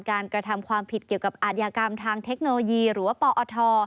กระทำความผิดเกี่ยวกับอาทยากรรมทางเทคโนโลยีหรือว่าปอท